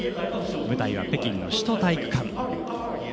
舞台は北京の首都体育館。